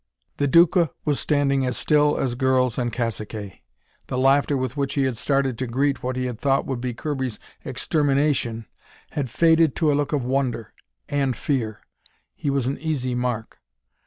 The Duca was standing as still as girls and caciques. The laughter with which he had started to greet what he had thought would be Kirby's extermination had faded to a look of wonder and fear. He was an easy mark.